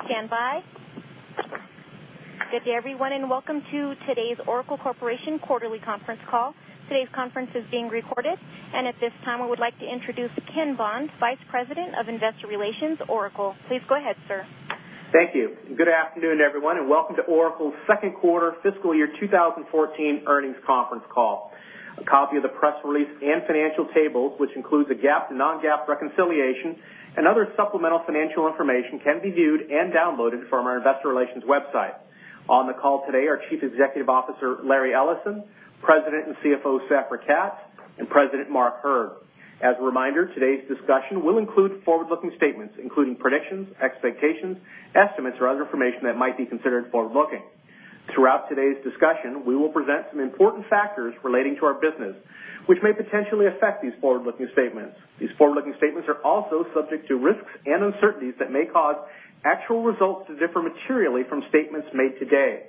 Please stand by. Good day, everyone, and welcome to today's Oracle Corporation quarterly conference call. Today's conference is being recorded, and at this time, I would like to introduce Ken Bond, Vice President of Investor Relations, Oracle. Please go ahead, sir. Thank you. Good afternoon, everyone, and welcome to Oracle's second quarter fiscal year 2014 earnings conference call. A copy of the press release and financial tables, which includes a GAAP and non-GAAP reconciliation and other supplemental financial information, can be viewed and downloaded from our investor relations website. On the call today are Chief Executive Officer, Larry Ellison, President and CFO, Safra Catz, and President Mark Hurd. As a reminder, today's discussion will include forward-looking statements, including predictions, expectations, estimates, or other information that might be considered forward-looking. Throughout today's discussion, we will present some important factors relating to our business, which may potentially affect these forward-looking statements. These forward-looking statements are also subject to risks and uncertainties that may cause actual results to differ materially from statements made today.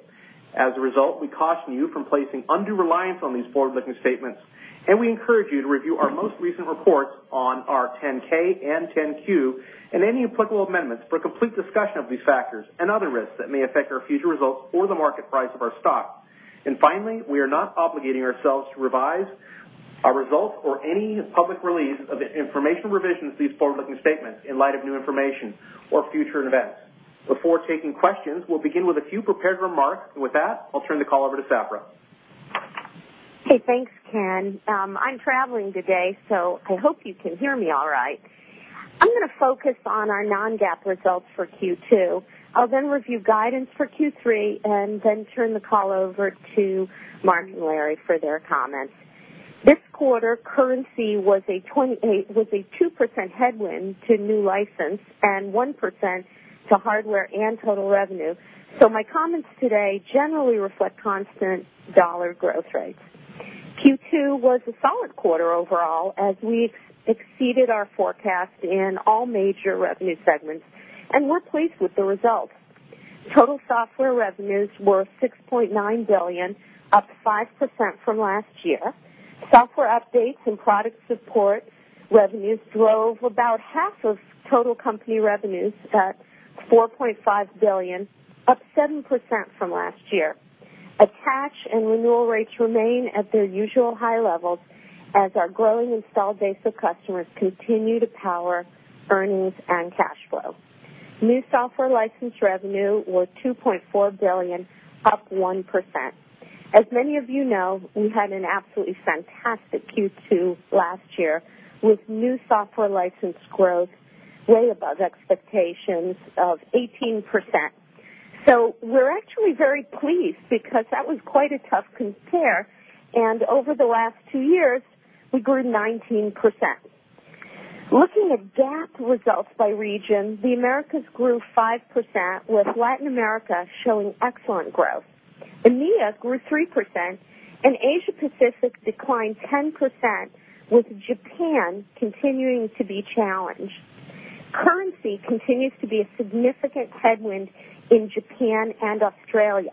As a result, we caution you from placing undue reliance on these forward-looking statements, and we encourage you to review our most recent reports on our 10-K and 10-Q, and any applicable amendments for a complete discussion of these factors and other risks that may affect our future results or the market price of our stock. Finally, we are not obligating ourselves to revise our results or any public release of information revisions to these forward-looking statements in light of new information or future events. Before taking questions, we'll begin with a few prepared remarks. With that, I'll turn the call over to Safra. Hey, thanks, Ken. I'm traveling today, so I hope you can hear me all right. I'm gonna focus on our non-GAAP results for Q2. I'll then review guidance for Q3 and then turn the call over to Mark and Larry for their comments. This quarter, currency was a 2% headwind to new license and 1% to hardware and total revenue. My comments today generally reflect constant dollar growth rates. Q2 was a solid quarter overall as we exceeded our forecast in all major revenue segments and were pleased with the results. Total software revenues were $6.9 billion, up 5% from last year. Software updates and product support revenues drove about half of total company revenues at $4.5 billion, up 7% from last year. Attach and renewal rates remain at their usual high levels as our growing installed base of customers continue to power earnings and cash flow. New software license revenue was $2.4 billion, up 1%. As many of you know, we had an absolutely fantastic Q2 last year with new software license growth way above expectations of 18%. We're actually very pleased because that was quite a tough compare, and over the last two years, we grew 19%. Looking at GAAP results by region, the Americas grew 5% with Latin America showing excellent growth. EMEA grew 3% and Asia Pacific declined 10% with Japan continuing to be challenged. Currency continues to be a significant headwind in Japan and Australia.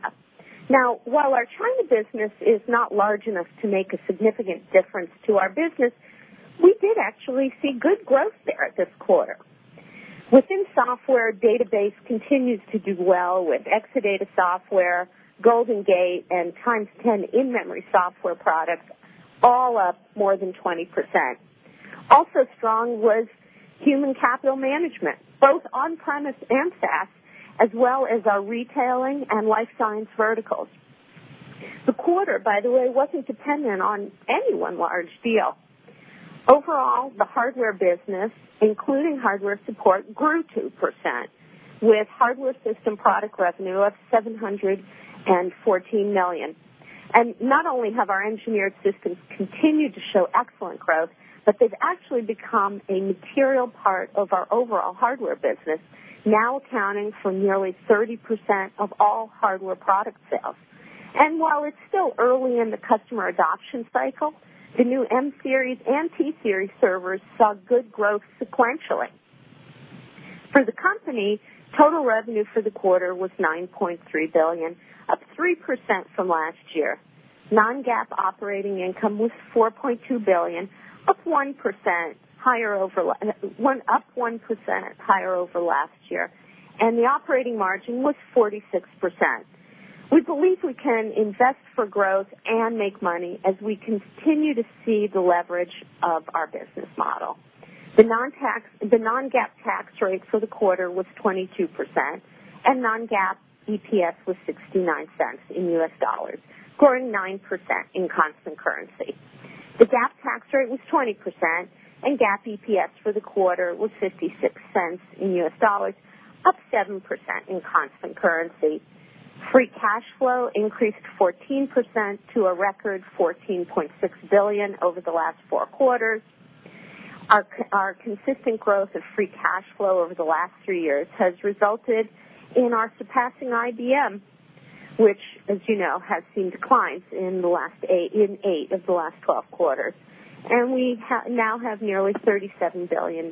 While our China business is not large enough to make a significant difference to our business, we did actually see good growth there this quarter. Within software, database continues to do well with Exadata software, GoldenGate, and TimesTen in-memory software products, all up more than 20%. Also strong was human capital management, both on-premise and SaaS, as well as our retailing and life science verticals. The quarter, by the way, wasn't dependent on any one large deal. Overall, the hardware business, including hardware support, grew 2%, with hardware system product revenue up $714 million. Not only have our engineered systems continued to show excellent growth, but they've actually become a material part of our overall hardware business, now accounting for nearly 30% of all hardware product sales. While it's still early in the customer adoption cycle, the new M-Series and T-Series servers saw good growth sequentially. For the company, total revenue for the quarter was $9.3 billion, up 3% from last year. Non-GAAP operating income was $4.2 billion, up 1% higher over last year, and the operating margin was 46%. We believe we can invest for growth and make money as we continue to see the leverage of our business model. The non-GAAP tax rate for the quarter was 22%, and non-GAAP EPS was $0.69, growing 9% in constant currency. The GAAP tax rate was 20%, and GAAP EPS for the quarter was $0.56, up 7% in constant currency. Free cash flow increased 14% to a record $14.6 billion over the last four quarters. Our consistent growth of free cash flow over the last three years has resulted in our surpassing IBM, which as you know, has seen declines in eight of the last 12 quarters. We now have nearly $37 billion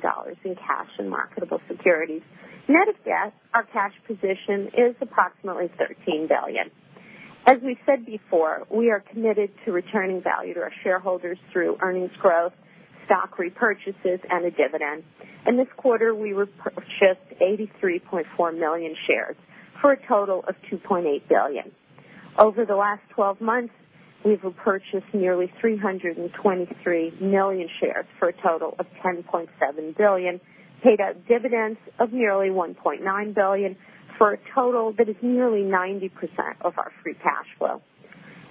in cash and marketable securities. Net of debt, our cash position is approximately $13 billion. As we've said before, we are committed to returning value to our shareholders through earnings growth, stock repurchases, and a dividend. This quarter, we repurchased 83.4 million shares for a total of $2.8 billion. Over the last 12 months, we've repurchased nearly 323 million shares for a total of $10.7 billion, paid out dividends of nearly $1.9 billion for a total that is nearly 90% of our free cash flow.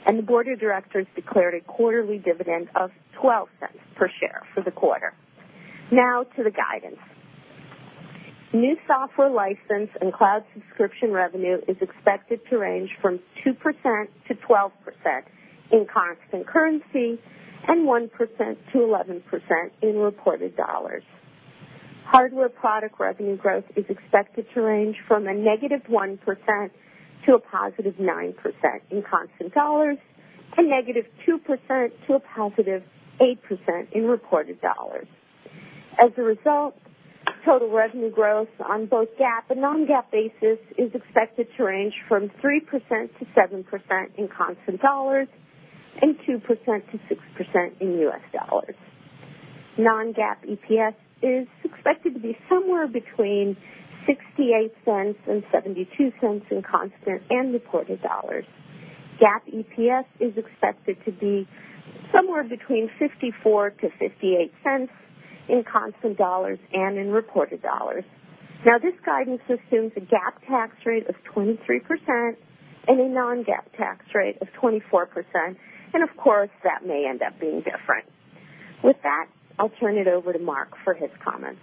The board of directors declared a quarterly dividend of $0.12 per share for the quarter. Now to the guidance. New software license and cloud subscription revenue is expected to range from 2%-12% in constant currency and 1%-11% in reported dollars. Hardware product revenue growth is expected to range from a negative 1% to a positive 9% in constant dollars and negative 2% to a positive 8% in reported dollars. As a result, total revenue growth on both GAAP and non-GAAP basis is expected to range from 3%-7% in constant dollars and 2%-6% in US dollars. Non-GAAP EPS is expected to be somewhere between $0.68 and $0.72 in constant and reported dollars. GAAP EPS is expected to be somewhere between $0.54-$0.58 in constant dollars and in reported dollars. This guidance assumes a GAAP tax rate of 23% and a non-GAAP tax rate of 24%, and of course, that may end up being different. With that, I'll turn it over to Mark for his comments.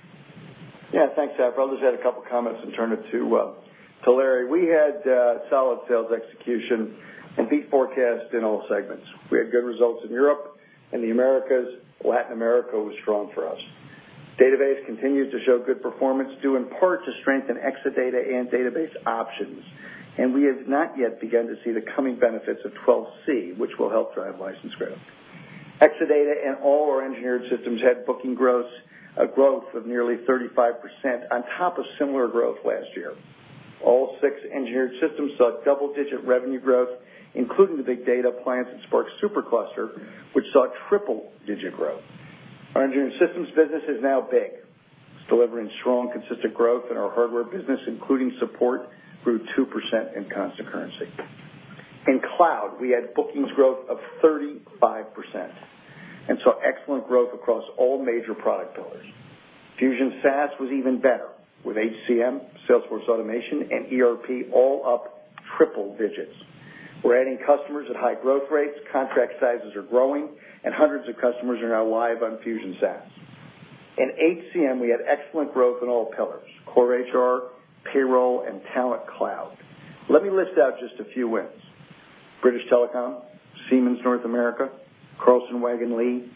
Thanks, Safra. I'll just add a couple of comments and turn it to Larry. We had solid sales execution and beat forecast in all segments. We had good results in Europe and the Americas. Latin America was strong for us. Database continued to show good performance due in part to strength in Exadata and Database options. We have not yet begun to see the coming benefits of 12c, which will help drive license growth. Exadata and all our engineered systems had booking growth of nearly 35% on top of similar growth last year. All six engineered systems saw double-digit revenue growth, including the Big Data Appliance and SPARC SuperCluster, which saw triple-digit growth. Our engineered systems business is now big. It's delivering strong, consistent growth in our hardware business, including support, grew 2% in constant currency. In cloud, we had bookings growth of 35% and saw excellent growth across all major product pillars. Fusion SaaS was even better, with HCM, sales force automation, and ERP all up triple digits. We're adding customers at high growth rates, contract sizes are growing, and hundreds of customers are now live on Fusion SaaS. In HCM, we had excellent growth in all pillars, core HR, payroll, and Talent Cloud. Let me list out just a few wins. British Telecom, Siemens North America, Carlson Wagonlit,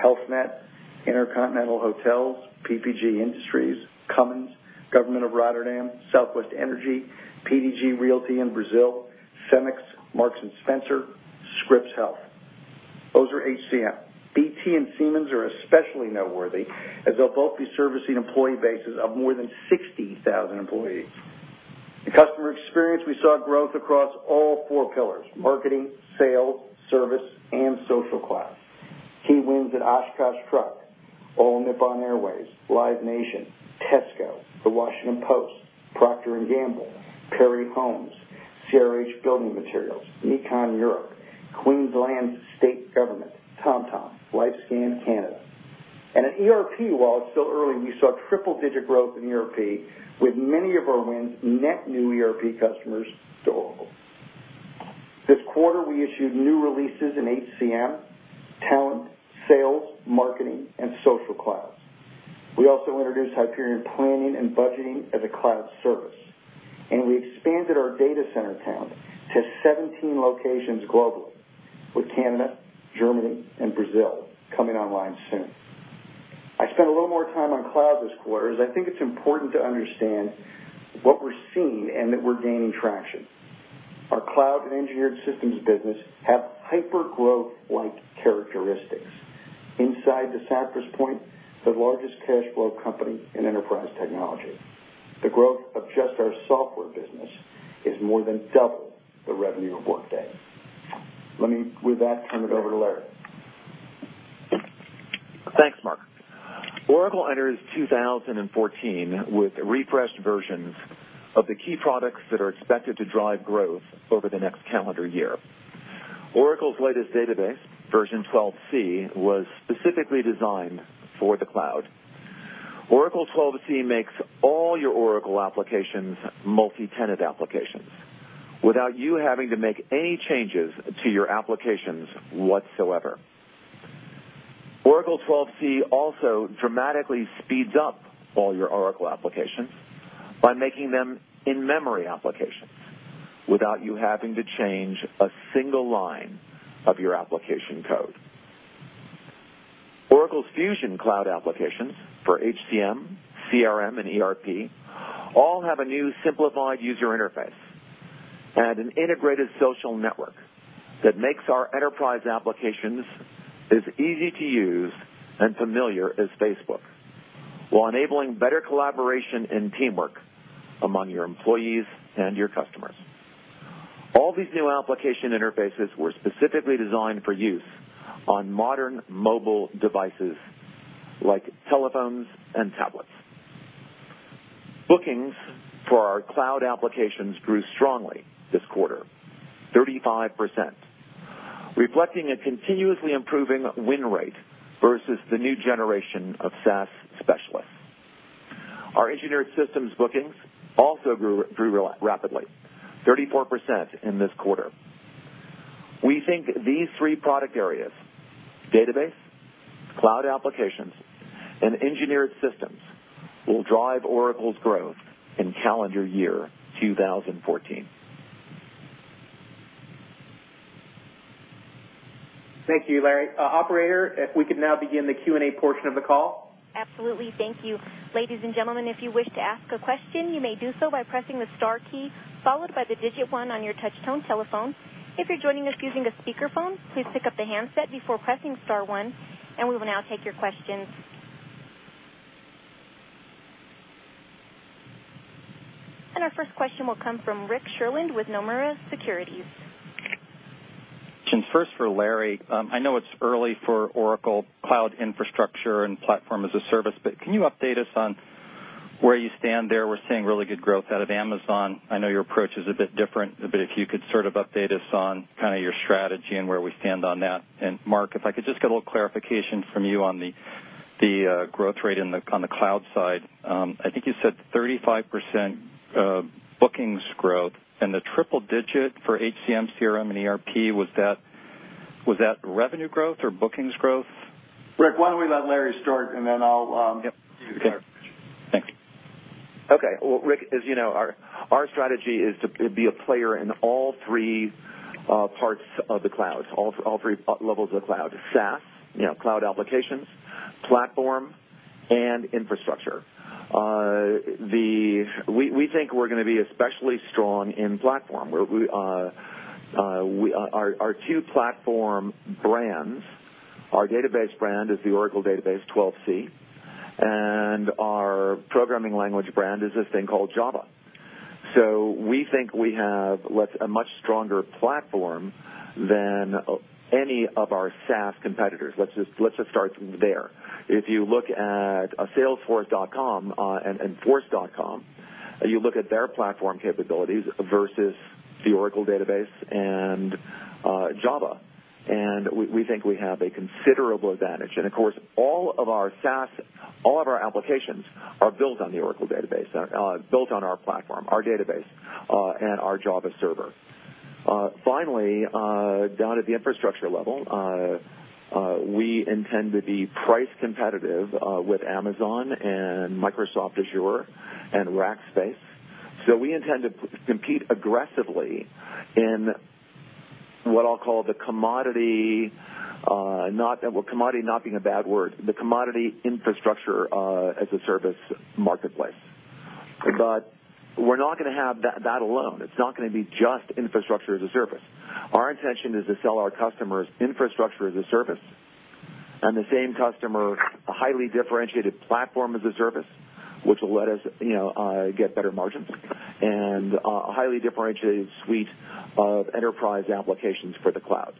Health Net, InterContinental Hotels, PPG Industries, Cummins, Government of Rotterdam, Southwestern Energy, PDG Realty in Brazil, Cemex, Marks & Spencer, Scripps Health. Those are HCM. BT and Siemens are especially noteworthy as they'll both be servicing employee bases of more than 60,000 employees. In customer experience, we saw growth across all four pillars, marketing, sales, service, and social cloud. Key wins at Oshkosh Truck, All Nippon Airways, Live Nation, Tesco, The Washington Post, Procter & Gamble, Perry Homes, CRH Building Materials, [Econ] Europe, Queensland State Government, TomTom, LifeScan Canada. In ERP, while it's still early, we saw triple-digit growth in ERP with many of our wins net new ERP customers to Oracle. This quarter, we issued new releases in HCM, talent, sales, marketing, and social cloud. We also introduced Hyperion Planning and Budgeting as a cloud service, and we expanded our data center count to 17 locations globally, with Canada, Germany, and Brazil coming online soon. I spent a little more time on cloud this quarter, as I think it's important to understand what we're seeing and that we're gaining traction. Our cloud and engineered systems business have hyper growth-like characteristics inside the Safra Catz point, the largest cash flow company in enterprise technology. The growth of just our software business is more than double the revenue of Workday. Let me, with that, turn it over to Larry. Thanks, Mark. Oracle enters 2014 with refreshed versions of the key products that are expected to drive growth over the next calendar year. Oracle's latest database, version 12c, was specifically designed for the cloud. Oracle 12c makes all your Oracle applications multi-tenant applications without you having to make any changes to your applications whatsoever. Oracle 12c also dramatically speeds up all your Oracle applications by making them in-memory applications without you having to change a single line of your application code. Oracle's Fusion Cloud applications for HCM, CRM, and ERP all have a new simplified user interface and an integrated social network that makes our enterprise applications as easy to use and familiar as Facebook. While enabling better collaboration and teamwork among your employees and your customers. All these new application interfaces were specifically designed for use on modern mobile devices like telephones and tablets. Bookings for our cloud applications grew strongly this quarter, 35%, reflecting a continuously improving win rate versus the new generation of SaaS specialists. Our engineered systems bookings also grew rapidly, 34% in this quarter. We think these three product areas, database, cloud applications, and engineered systems, will drive Oracle's growth in calendar year 2014. Thank you, Larry. Operator, if we could now begin the Q&A portion of the call. Absolutely. Thank you. Ladies and gentlemen, if you wish to ask a question, you may do so by pressing the star key followed by the digit one on your touch-tone telephone. If you're joining us using a speakerphone, please pick up the handset before pressing star one, we will now take your questions. Our first question will come from Rick Sherlund with Nomura Securities. First for Larry, I know it's early for Oracle Cloud Infrastructure and Platform as a Service, but can you update us on where you stand there? We're seeing really good growth out of Amazon. I know your approach is a bit different, but if you could sort of update us on your strategy and where we stand on that. Mark, if I could just get a little clarification from you on the growth rate on the cloud side. I think you said 35% bookings growth and the triple-digit for HCM, CRM, and ERP, was that revenue growth or bookings growth? Rick, why don't we let Larry start, then I'll give you the clarification. Okay. Thank you. Okay. Well, Rick, as you know, our strategy is to be a player in all three parts of the cloud, all three levels of the cloud, SaaS, cloud applications, platform, and infrastructure. We think we are going to be especially strong in platform. Our two platform brands, our database brand is the Oracle Database 12c, and our programming language brand is this thing called Java. We think we have a much stronger platform than any of our SaaS competitors. Let's just start there. If you look at salesforce.com and force.com, you look at their platform capabilities versus the Oracle database and Java, we think we have a considerable advantage. Of course, all of our SaaS, all of our applications are built on the Oracle database, built on our platform, our database, and our Java server. Finally, down at the infrastructure level, we intend to be price competitive with Amazon and Microsoft Azure and Rackspace. We intend to compete aggressively in what I'll call the commodity not being a bad word, the commodity Infrastructure as a Service marketplace. We are not going to have that alone. It is not going to be just Infrastructure as a Service. Our intention is to sell our customers Infrastructure as a Service, and the same customer a highly differentiated Platform as a Service, which will let us get better margins, and a highly differentiated suite of enterprise applications for the cloud.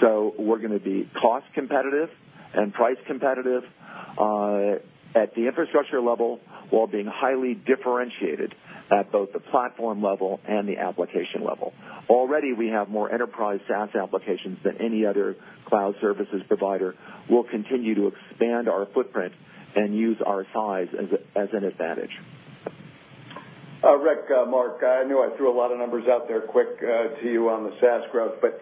We are going to be cost competitive and price competitive at the infrastructure level while being highly differentiated at both the platform level and the application level. Already, we have more enterprise SaaS applications than any other cloud services provider. We'll continue to expand our footprint and use our size as an advantage. Rick, Mark, I know I threw a lot of numbers out there quick to you on the SaaS growth, but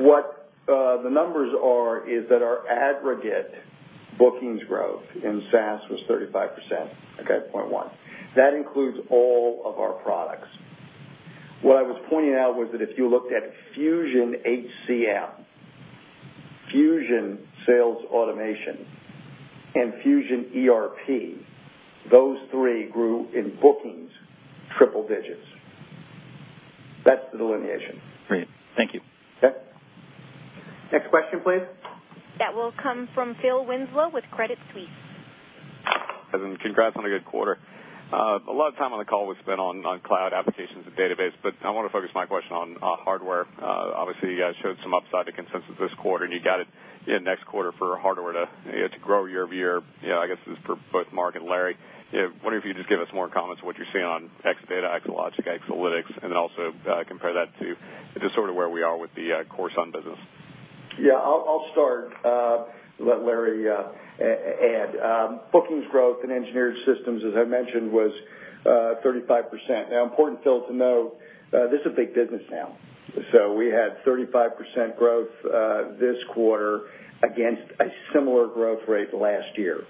what the numbers are is that our aggregate bookings growth in SaaS was 35%, okay, point 1. That includes all of our products. What I was pointing out was that if you looked at Fusion HCM, Oracle Fusion Sales, and Fusion ERP, those three grew in bookings triple digits. That's the delineation. Great. Thank you. Okay. Next question, please. That will come from Phil Winslow with Credit Suisse. Guys, congrats on a good quarter. A lot of time on the call was spent on cloud applications and database, but I want to focus my question on hardware. Obviously, you guys showed some upside to consensus this quarter, and you got it next quarter for hardware to grow year-over-year. I guess this is for both Mark and Larry. Wondering if you could just give us more comments on what you're seeing on Exadata, Exalogic, Exalytics, and then also compare that to just sort of where we are with the core Sun business. I'll start. Let Larry add. Bookings growth in engineered systems, as I mentioned, was 35%. Important, Phil, to know, this is a big business now. We had 35% growth this quarter against a similar growth rate last year.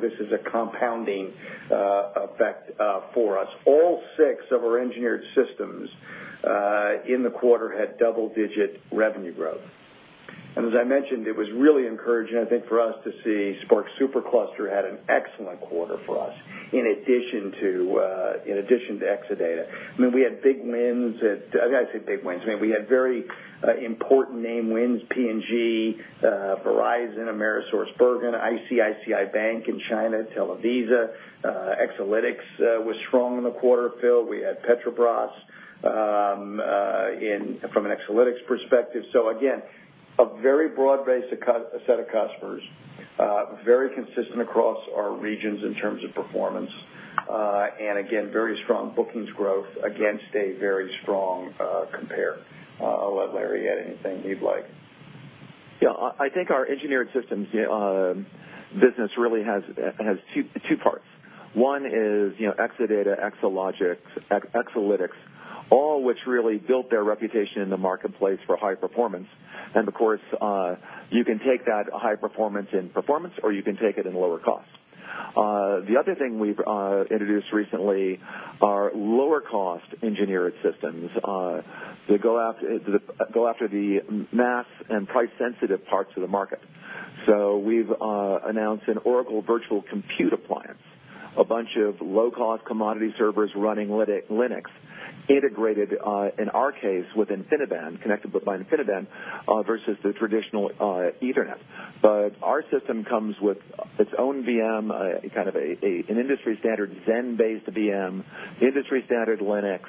This is a compounding effect for us. All six of our engineered systems in the quarter had double-digit revenue growth. As I mentioned, it was really encouraging, I think, for us to see SPARC SuperCluster had an excellent quarter for us in addition to Exadata. We had big wins at, I say big wins, we had very important name wins, P&G, Verizon, AmerisourceBergen, ICICI Bank in China, Televisa. Exalytics was strong in the quarter, Phil. We had Petrobras from an Exalytics perspective. Again, a very broad base set of customers, very consistent across our regions in terms of performance. Again, very strong bookings growth against a very strong compare. I'll let Larry add anything he'd like. I think our engineered systems business really has two parts. One is Exadata, Exalogic, Exalytics, all which really built their reputation in the marketplace for high performance. Of course, you can take that high performance in performance, or you can take it in lower cost. The other thing we've introduced recently are lower cost engineered systems that go after the mass and price-sensitive parts of the market. We've announced an Oracle Virtual Compute Appliance, a bunch of low-cost commodity servers running Linux, integrated, in our case, with InfiniBand, connected by InfiniBand versus the traditional Ethernet. Our system comes with its own VM, an industry standard Xen-based VM, industry standard Linux,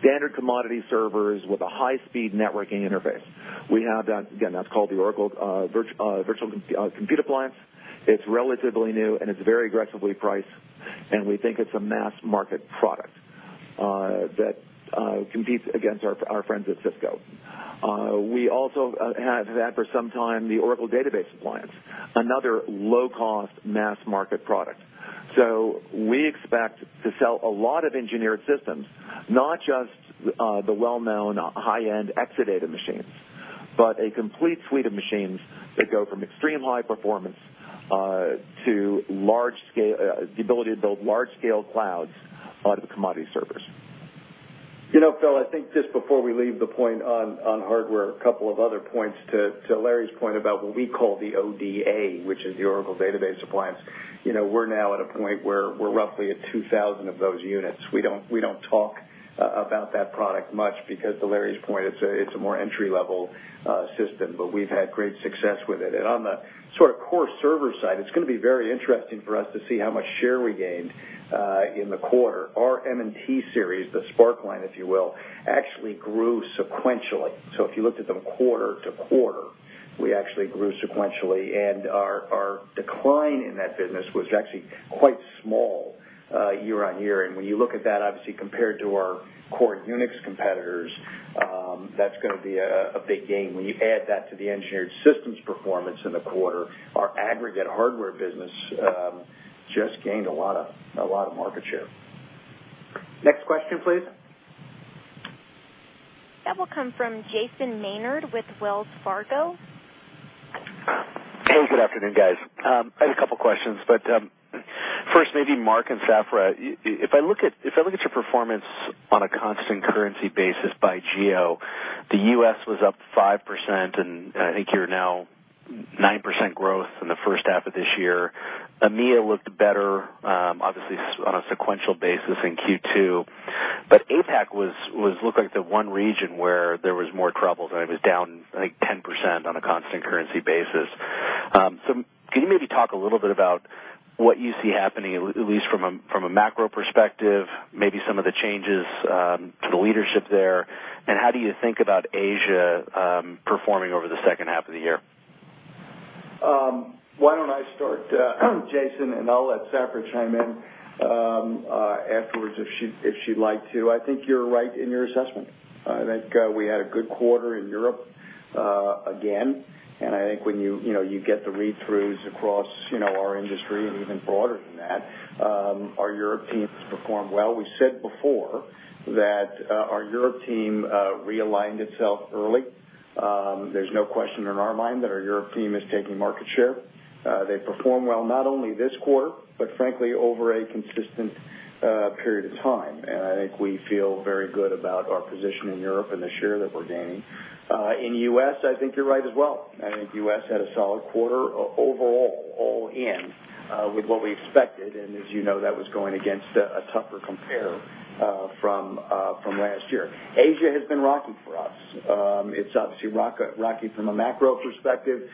standard commodity servers with a high-speed networking interface. Again, that's called the Oracle Virtual Compute Appliance. It's relatively new, and it's very aggressively priced, and we think it's a mass-market product that competes against our friends at Cisco. We also have had for some time the Oracle Database Appliance, another low-cost mass market product. We expect to sell a lot of engineered systems, not just the well-known high-end Exadata machines, but a complete suite of machines that go from extreme high performance to the ability to build large-scale clouds out of commodity servers. Phil, I think just before we leave the point on hardware, a couple of other points to Larry's point about what we call the ODA, which is the Oracle Database Appliance. We're now at a point where we're roughly at 2,000 of those units. We don't talk about that product much because to Larry's point, it's a more entry-level system, but we've had great success with it. On the core server side, it's going to be very interesting for us to see how much share we gained in the quarter. Our M+T series, the SPARC line, if you will, actually grew sequentially. If you looked at them quarter-over-quarter, we actually grew sequentially and our decline in that business was actually quite small year-over-year. When you look at that, obviously compared to our core Unix competitors, that's going to be a big gain. When you add that to the engineered systems performance in the quarter, our aggregate hardware business just gained a lot of market share. Next question, please. That will come from Jason Maynard with Wells Fargo. Hey, good afternoon, guys. I have a couple questions, but first, maybe Mark and Safra, if I look at your performance on a constant currency basis by geo, the U.S. was up 5%, and I think you're now 9% growth in the first half of this year. EMEA looked better, obviously on a sequential basis in Q2, APAC looked like the one region where there was more trouble, and it was down, I think, 10% on a constant currency basis. Can you maybe talk a little bit about what you see happening, at least from a macro perspective, maybe some of the changes to the leadership there, and how do you think about Asia performing over the second half of the year? Why don't I start, Jason, and I'll let Safra chime in afterwards if she'd like to. I think you're right in your assessment. I think we had a good quarter in Europe again. I think when you get the read-throughs across our industry and even broader than that, our Europe team has performed well. We said before that our Europe team realigned itself early. There's no question in our mind that our Europe team is taking market share. They performed well not only this quarter, but frankly, over a consistent period of time. I think we feel very good about our position in Europe and the share that we're gaining. In U.S., I think you're right as well. I think U.S. had a solid quarter overall, all in, with what we expected. As you know, that was going against a tougher compare from last year. Asia has been rocky for us. It's obviously rocky from a macro perspective.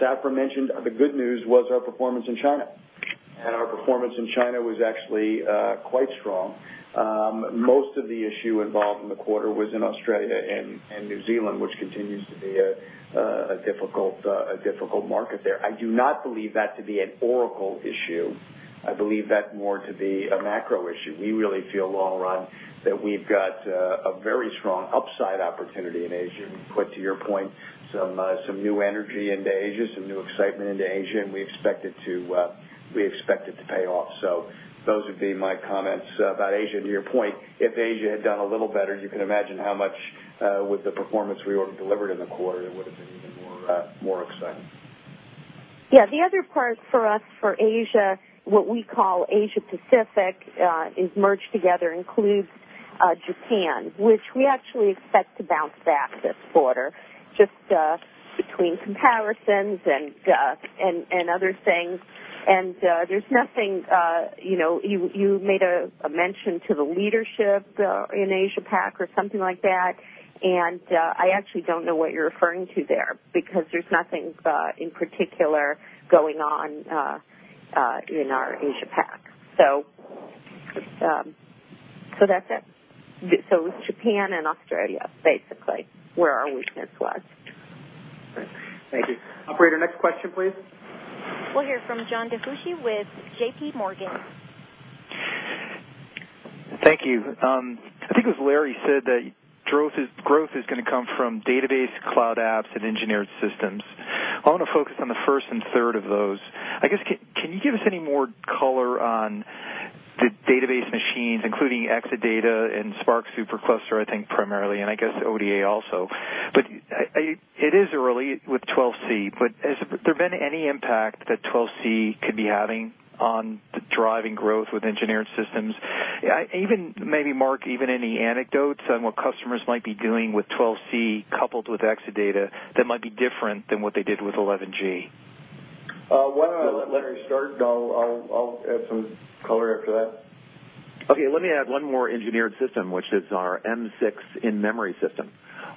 Safra mentioned the good news was our performance in China. Our performance in China was actually quite strong. Most of the issue involved in the quarter was in Australia and New Zealand, which continues to be a difficult market there. I do not believe that to be an Oracle issue. I believe that more to be a macro issue. We really feel long run that we've got a very strong upside opportunity in Asia. We put, to your point, some new energy into Asia, some new excitement into Asia. We expect it to pay off. Those would be my comments about Asia. To your point, if Asia had done a little better, you can imagine how much with the performance we delivered in the quarter, it would've been even more exciting. Yeah. The other part for us, for Asia, what we call Asia Pacific, is merged together, includes Japan, which we actually expect to bounce back this quarter, just between comparisons and other things. There's nothing, you made a mention to the leadership in Asia Pac or something like that, and I actually don't know what you're referring to there because there's nothing in particular going on in our Asia Pac. That's it. It's Japan and Australia, basically, where our weakness was. Great. Thank you. Operator, next question, please. We'll hear from John DiFucci with JPMorgan. Thank you. I think it was Larry said that growth is going to come from database cloud apps and engineered systems. I want to focus on the first and third of those. I guess, can you give us any more color on the database machines, including Exadata and SPARC SuperCluster, I think, primarily, and I guess ODA also. It is early with 12c, but has there been any impact that 12c could be having on driving growth with engineered systems? Even maybe, Mark, even any anecdotes on what customers might be doing with 12c coupled with Exadata that might be different than what they did with 11g? Why don't I let Larry start, and I'll add some color after that. Okay, let me add one more engineered system, which is our M6 in-memory system.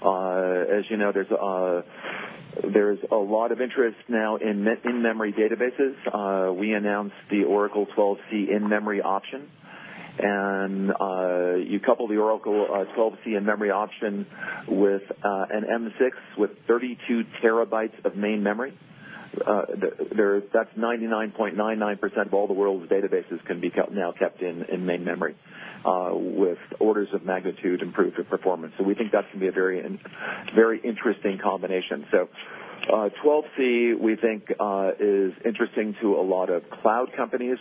As you know, there's a lot of interest now in in-memory databases. We announced the Oracle 12c in-memory option, and you couple the Oracle 12c in-memory option with an M6 with 32 terabytes of main memory. That's 99.99% of all the world's databases can be now kept in main memory with orders of magnitude improved performance. We think that can be a very interesting combination. 12c, we think, is interesting to a lot of cloud companies,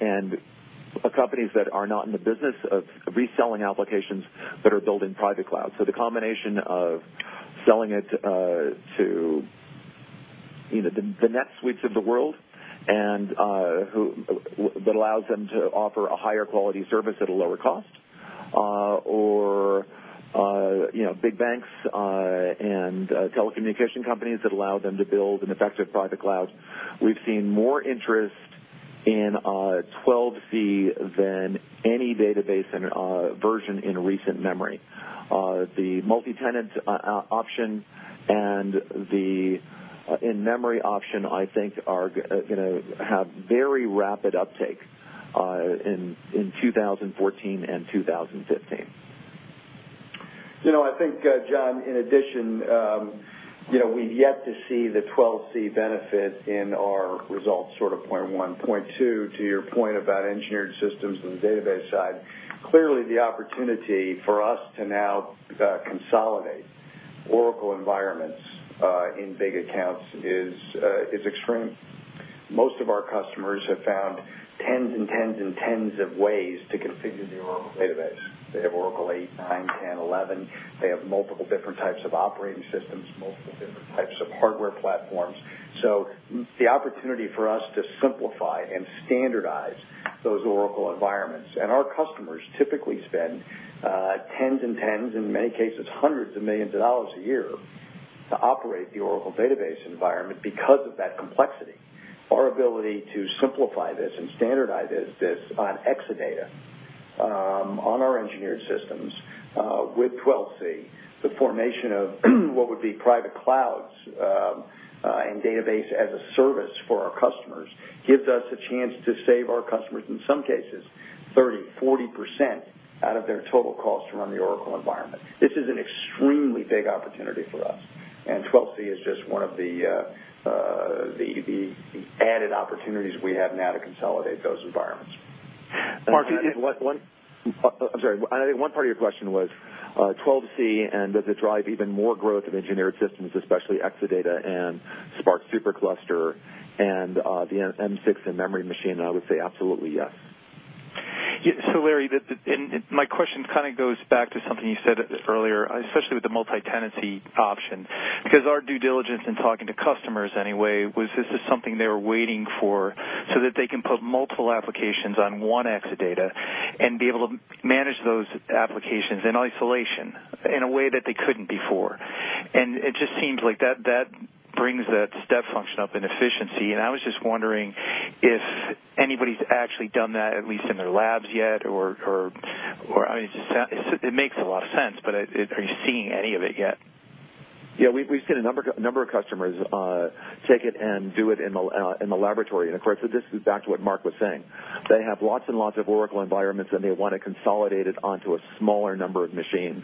and companies that are not in the business of reselling applications that are built in private cloud. The combination of selling it to the NetSuite of the world that allows them to offer a higher quality service at a lower cost, or big banks and telecommunication companies that allow them to build an effective private cloud. We've seen more interest in 12c than any database version in recent memory. The multi-tenant option and the in-memory option, I think, are going to have very rapid uptake in 2014 and 2015. I think, John, in addition, we've yet to see the 12c benefit in our results, sort of point one. Point two, to your point about engineered systems on the database side, clearly, the opportunity for us to now consolidate Oracle environments in big accounts is extreme. Most of our customers have found tens and tens and tens of ways to configure the Oracle database. They have Oracle8, 9, 10, 11. They have multiple different types of operating systems, multiple different types of hardware platforms. The opportunity for us to simplify and standardize those Oracle environments, and our customers typically spend tens and tens, in many cases, $hundreds of millions a year to operate the Oracle database environment because of that complexity. Our ability to simplify this and standardize this on Exadata, on our engineered systems with 12c, the formation of what would be private clouds and Database as a Service for our customers gives us a chance to save our customers, in some cases, 30%-40% out of their total cost to run the Oracle environment. This is an extremely big opportunity for us, 12c is just one of the added opportunities we have now to consolidate those environments. Mark. I'm sorry. I think one part of your question was 12c and does it drive even more growth of engineered systems, especially Exadata and SPARC SuperCluster and the M6 and memory machine, I would say absolutely yes. Yeah. Larry, my question goes back to something you said earlier, especially with the multi-tenant option, because our due diligence in talking to customers anyway, was this is something they were waiting for so that they can put multiple applications on one Exadata and be able to manage those applications in isolation in a way that they couldn't before. It just seems like that brings that step function up in efficiency, I was just wondering if anybody's actually done that, at least in their labs yet, or it makes a lot of sense, are you seeing any of it yet? Yeah, we've seen a number of customers take it and do it in the laboratory. Of course, this is back to what Mark was saying. They have lots and lots of Oracle environments, and they want to consolidate it onto a smaller number of machines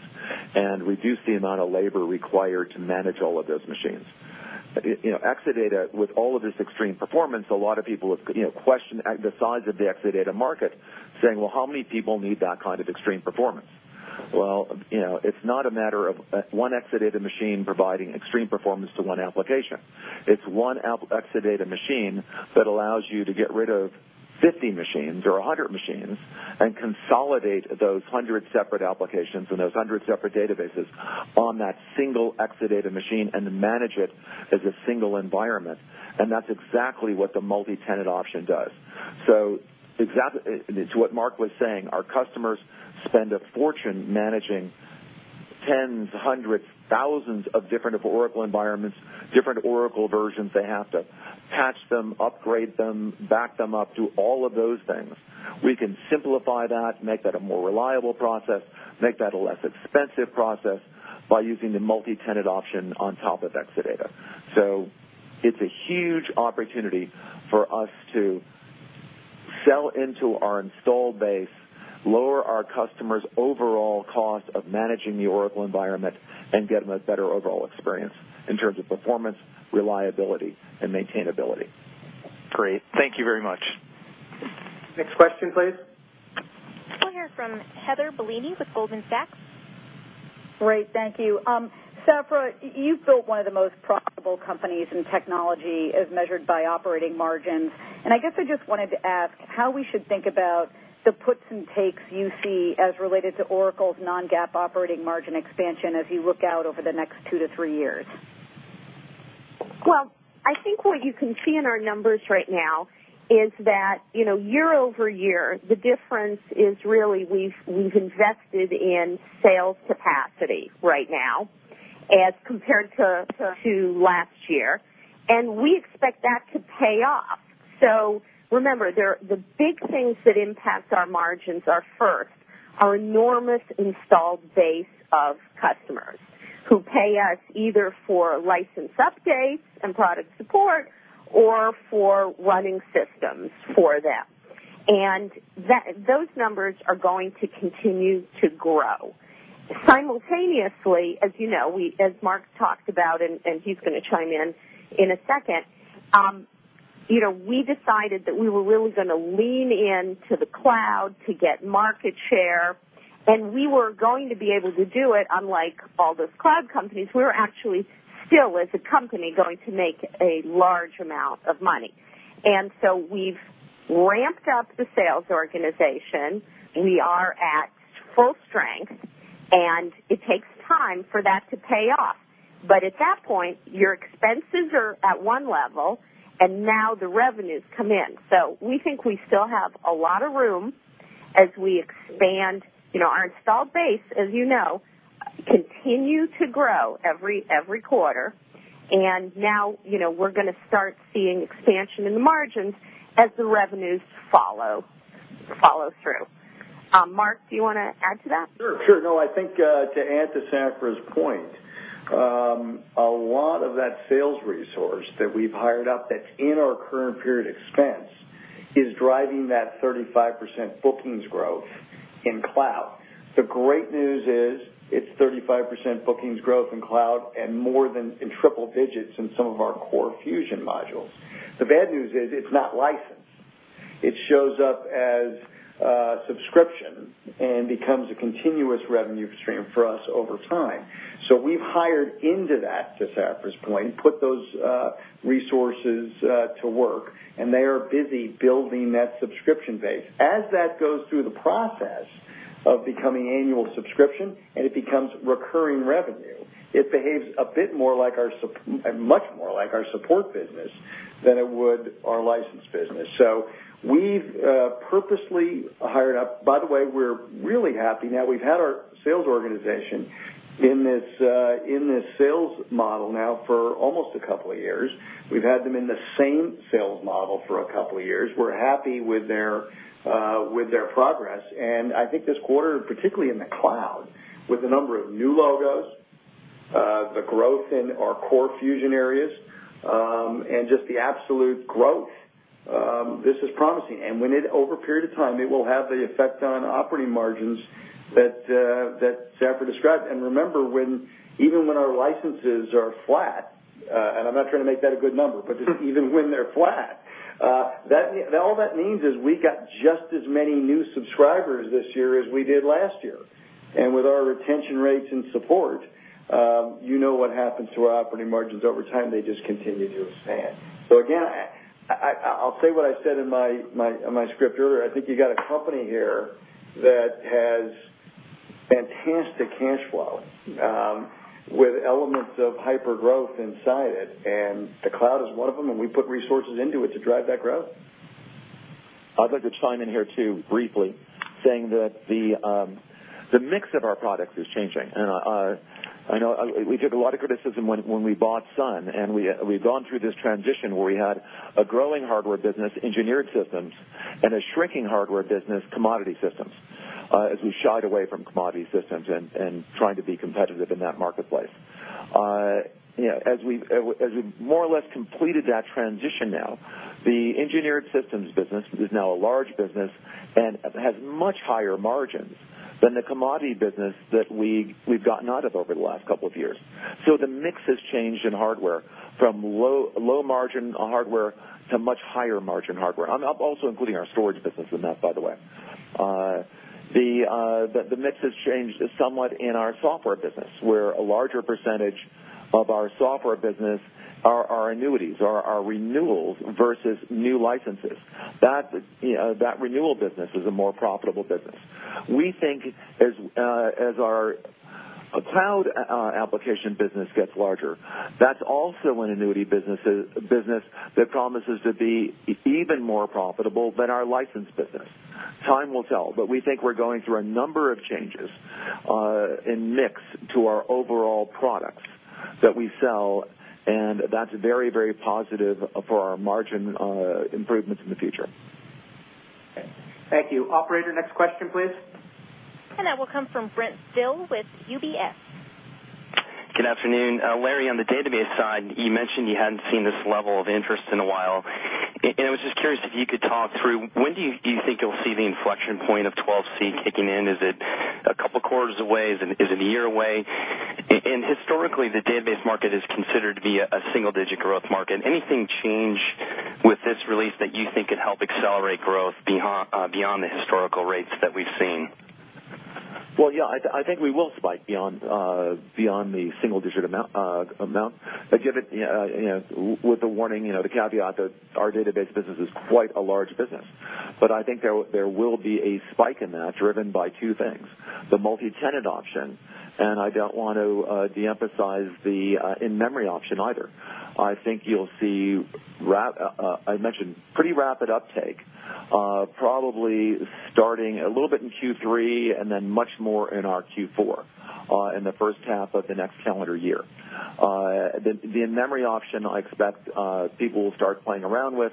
and reduce the amount of labor required to manage all of those machines. Exadata, with all of its extreme performance, a lot of people have questioned the size of the Exadata market, saying, "Well, how many people need that kind of extreme performance?" Well, it's not a matter of one Exadata machine providing extreme performance to one application. It's one Exadata machine that allows you to get rid of 50 machines or 100 machines and consolidate those 100 separate applications and those 100 separate databases on that single Exadata machine and manage it as a single environment. That's exactly what the multi-tenant option does. To what Mark was saying, our customers spend a fortune managing tens, hundreds, thousands of different Oracle environments, different Oracle versions. They have to patch them, upgrade them, back them up, do all of those things. We can simplify that, make that a more reliable process, make that a less expensive process by using the multi-tenant option on top of Exadata. It's a huge opportunity for us to sell into our install base, lower our customers' overall cost of managing the Oracle environment, and get them a better overall experience in terms of performance, reliability, and maintainability. Great. Thank you very much. Next question, please. We'll hear from Heather Bellini with Goldman Sachs. Great. Thank you. Safra, you've built one of the most profitable companies in technology as measured by operating margins. I guess I just wanted to ask how we should think about the puts and takes you see as related to Oracle's non-GAAP operating margin expansion as you look out over the next two to three years. I think what you can see in our numbers right now is that year-over-year, the difference is really we've invested in sales capacity right now as compared to last year, and we expect that to pay off. Remember, the big things that impact our margins are, first, our enormous installed base of customers who pay us either for license updates and product support or for running systems for them. Those numbers are going to continue to grow. Simultaneously, as Mark talked about, and he's going to chime in in a second, we decided that we were really going to lean into the cloud to get market share, and we were going to be able to do it, unlike all those cloud companies, we're actually still, as a company, going to make a large amount of money. We've ramped up the sales organization. We are at full strength, it takes time for that to pay off. At that point, your expenses are at one level, and now the revenues come in. We think we still have a lot of room as we expand. Our installed base, as you know, continue to grow every quarter. Now we're going to start seeing expansion in the margins as the revenues follow through. Mark, do you want to add to that? Sure. No, I think, to add to Safra's point, a lot of that sales resource that we've hired up that's in our current period expense is driving that 35% bookings growth in cloud. The great news is it's 35% bookings growth in cloud and more than in triple digits in some of our core Fusion modules. The bad news is it's not licensed. It shows up as a subscription and becomes a continuous revenue stream for us over time. We've hired into that, to Safra's point, put those resources to work, and they are busy building that subscription base. As that goes through the process of becoming annual subscription and it becomes recurring revenue, it behaves much more like our support business than it would our license business. We've purposely hired up. By the way, we're really happy now. We've had our sales organization in this sales model now for almost a couple of years. We've had them in the same sales model for a couple of years. We're happy with their progress. I think this quarter, particularly in the cloud, with the number of new logos, the growth in our core Fusion areas, and just the absolute growth, this is promising. Over a period of time, it will have the effect on operating margins that Safra described. Remember, even when our licenses are flat, and I'm not trying to make that a good number, but just even when they're flat, all that means is we got just as many new subscribers this year as we did last year. With our retention rates and support, you know what happens to our operating margins over time. They just continue to expand. Again, I'll say what I said in my script earlier. I think you got a company here that has fantastic cash flow with elements of hypergrowth inside it, the cloud is one of them, and we put resources into it to drive that growth. I'd like to chime in here too, briefly, saying that the mix of our products is changing. I know we took a lot of criticism when we bought Sun, we've gone through this transition where we had a growing hardware business, engineered systems, and a shrinking hardware business, commodity systems, as we shied away from commodity systems and trying to be competitive in that marketplace. We've more or less completed that transition now, the engineered systems business is now a large business and has much higher margins than the commodity business that we've gotten out of over the last couple of years. The mix has changed in hardware from low margin hardware to much higher margin hardware. I'm also including our storage business in that, by the way. The mix has changed somewhat in our software business, where a larger percentage of our software business are annuities, are renewals versus new licenses. That renewal business is a more profitable business. We think as our cloud application business gets larger, that's also an annuity business that promises to be even more profitable than our license business. Time will tell, we think we're going through a number of changes in mix to our overall products that we sell, that's very positive for our margin improvements in the future. Okay. Thank you. Operator, next question, please. That will come from Brent Thill with UBS. Good afternoon. Larry, on the database side, you mentioned you hadn't seen this level of interest in a while. I was just curious if you could talk through, when do you think you'll see the inflection point of 12c kicking in? Is it a couple of quarters away? Is it a year away? Historically, the database market is considered to be a single-digit growth market. Anything change with this release that you think could help accelerate growth beyond the historical rates that we've seen? Well, yeah, I think we will spike beyond the single-digit amount. With the warning, the caveat that our database business is quite a large business. I think there will be a spike in that, driven by two things, the multi-tenant option, and I don't want to de-emphasize the in-memory option either. I think you'll see, I mentioned, pretty rapid uptake probably starting a little bit in Q3 and then much more in our Q4, in the first half of the next calendar year. The in-memory option, I expect people will start playing around with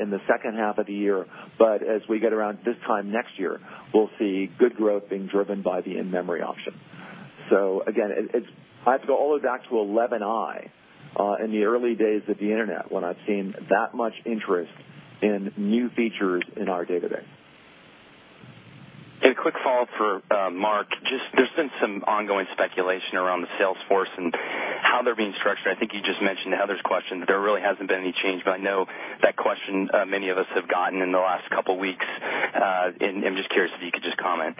in the second half of the year, but as we get around this time next year, we'll see good growth being driven by the in-memory option. Again, I have to go all the way back to 11i in the early days of the Internet when I've seen that much interest in new features in our database. A quick follow-up for Mark. There's been some ongoing speculation around Salesforce and how they're being structured. I think you just mentioned Heather's question, there really hasn't been any change, I know that question many of us have gotten in the last couple of weeks. I'm just curious if you could just comment.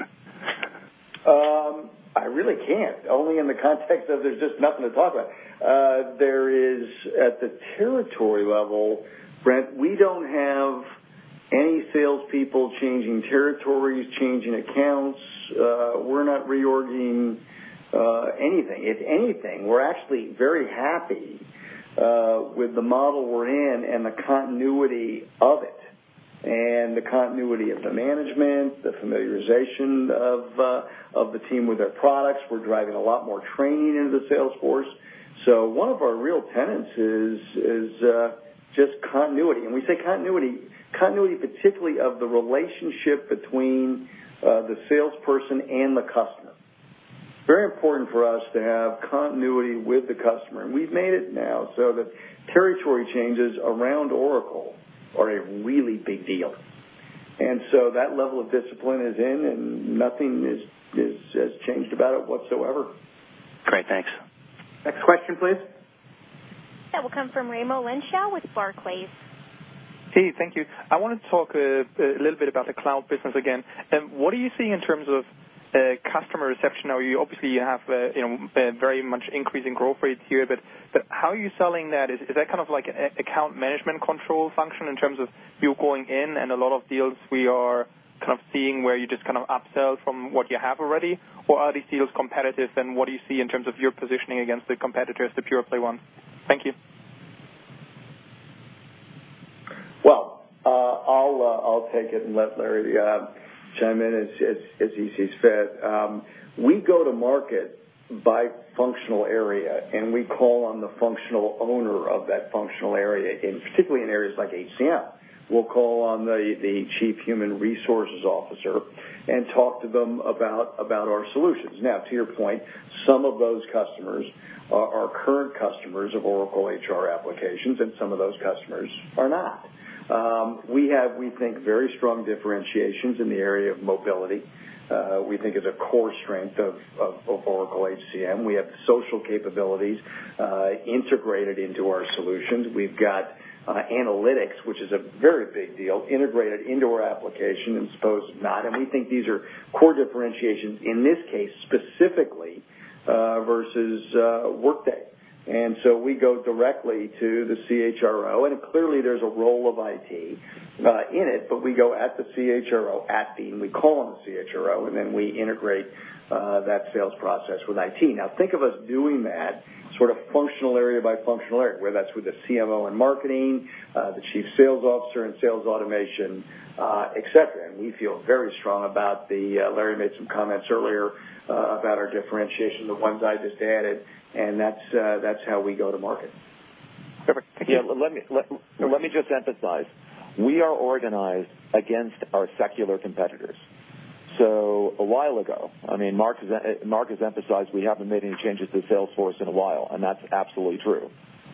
I really can't, only in the context of there's just nothing to talk about. There is, at the territory level, Brent, we don't have any salespeople changing territories, changing accounts. We're not reorging anything. If anything, we're actually very happy with the model we're in and the continuity of it, and the continuity of the management, the familiarization of the team with their products. We're driving a lot more training into the sales force. One of our real tenets is just continuity. We say continuity particularly of the relationship between the salesperson and the customer. Very important for us to have continuity with the customer. We've made it now so that territory changes around Oracle are a really big deal. That level of discipline is in and nothing has changed about it whatsoever. Great. Thanks. Next question, please. That will come from Raimo Lenschow with Barclays. Hey, thank you. I want to talk a little bit about the cloud business again. What are you seeing in terms of customer reception? Obviously, you have very much increasing growth rates here, but how are you selling that? Is that like an account management control function in terms of you going in and a lot of deals we are seeing where you just upsell from what you have already? Are these deals competitive, and what do you see in terms of your positioning against the competitors, the pure play ones? Thank you. Well, I'll take it and let Larry chime in as he sees fit. We go to market by functional area. We call on the functional owner of that functional area, and particularly in areas like HCM. We'll call on the chief human resources officer and talk to them about our solutions. To your point, some of those customers are current customers of Oracle HR applications, and some of those customers are not. We have, we think, very strong differentiations in the area of mobility. We think it's a core strength of Oracle HCM. We have social capabilities integrated into our solutions. We've got analytics, which is a very big deal, integrated into our application as opposed to not, and we think these are core differentiations in this case specifically versus Workday. We go directly to the CHRO, and clearly there's a role of IT in it, but we go at the CHRO. We call on the CHRO, and then we integrate that sales process with IT. Think of us doing that functional area by functional area, whether that's with the CMO in marketing, the chief sales officer in sales automation, et cetera, and we feel very strong about the differentiation. Larry made some comments earlier about our differentiation, the ones I just added, and that's how we go to market. Perfect. Thank you. Let me just emphasize, we are organized against our secular competitors. A while ago, Mark has emphasized we haven't made any changes to the sales force in a while, and that's absolutely true.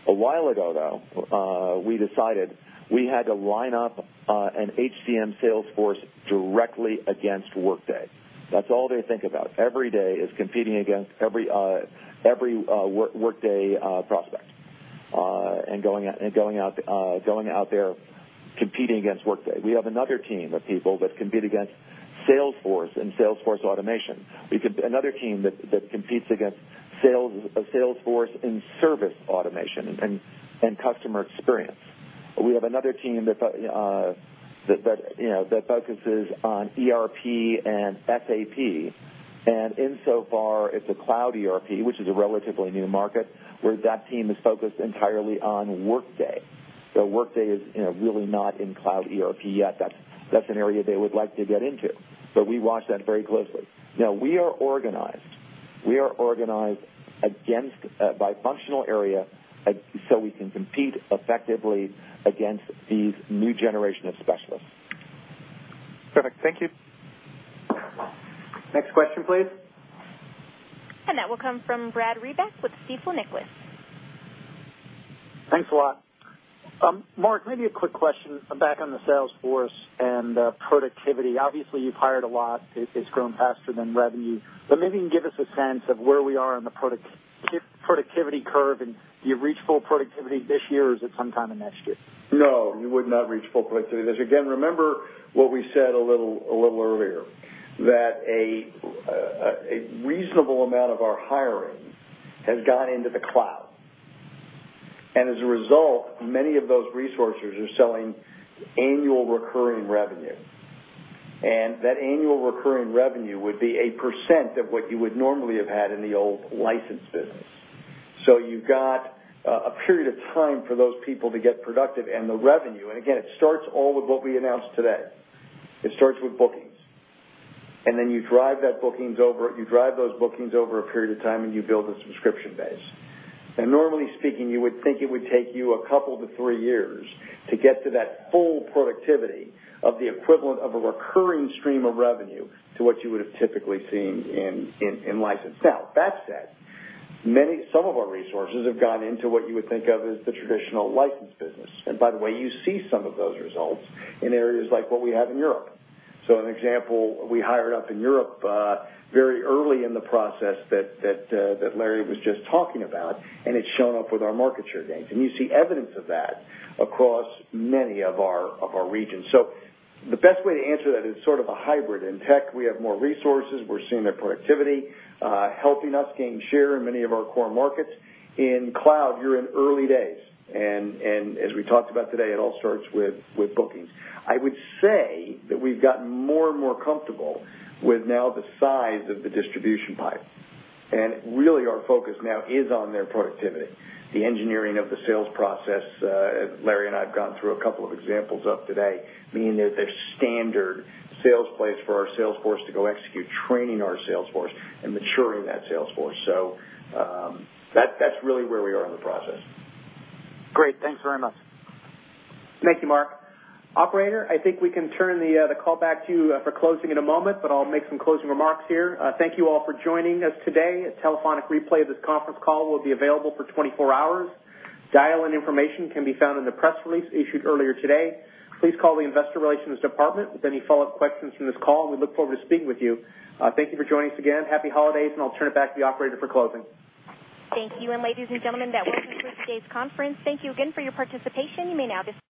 A while ago, though, we decided we had to line up an HCM sales force directly against Workday. That's all they think about. Every day is competing against every Workday prospect. Going out there competing against Workday. We have another team of people that compete against Salesforce and Salesforce automation. We have another team that competes against Salesforce in service automation and customer experience. We have another team that focuses on ERP and SAP, and insofar as the cloud ERP, which is a relatively new market where that team is focused entirely on Workday. Workday is really not in cloud ERP yet. That's an area they would like to get into. We watch that very closely. We are organized. We are organized by functional area so we can compete effectively against these new generation of specialists. Perfect. Thank you. Next question, please. That will come from Brad Reback with Stifel Nicolaus. Thanks a lot. Mark, maybe a quick question back on the sales force and productivity. Obviously, you've hired a lot. It's grown faster than revenue, but maybe you can give us a sense of where we are in the productivity curve and do you reach full productivity this year, or is it sometime in next year? No, we would not reach full productivity. Again, remember what we said a little earlier, that a reasonable amount of our hiring has gone into the cloud, and as a result, many of those resources are selling annual recurring revenue. That annual recurring revenue would be a percent of what you would normally have had in the old license business. You've got a period of time for those people to get productive and the revenue, and again, it starts all with what we announced today. It starts with bookings. You drive those bookings over a period of time, and you build a subscription base. Normally speaking, you would think it would take you a couple to three years to get to that full productivity of the equivalent of a recurring stream of revenue to what you would've typically seen in license. That said, some of our resources have gone into what you would think of as the traditional license business. By the way, you see some of those results in areas like what we have in Europe. An example, we hired up in Europe very early in the process that Larry was just talking about, and it's shown up with our market share gains, and you see evidence of that across many of our regions. The best way to answer that is sort of a hybrid. In tech, we have more resources. We're seeing their productivity helping us gain share in many of our core markets. In cloud, you're in early days, and as we talked about today, it all starts with bookings. I would say that we've gotten more and more comfortable with now the size of the distribution pipe. Really our focus now is on their productivity, the engineering of the sales process. Larry and I have gone through a couple of examples of today, meaning that there's standard sales plays for our sales force to go execute, training our sales force and maturing that sales force. That's really where we are in the process. Great. Thanks very much. Thank you, Mark. Operator, I think we can turn the call back to you for closing in a moment, but I'll make some closing remarks here. Thank you all for joining us today. A telephonic replay of this conference call will be available for 24 hours. Dial-in information can be found in the press release issued earlier today. Please call the investor relations department with any follow-up questions from this call, and we look forward to speaking with you. Thank you for joining us again, happy holidays, and I'll turn it back to the operator for closing. Thank you. Ladies and gentlemen, that will conclude today's conference. Thank you again for your participation. You may now dis-